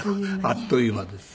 あっという間です。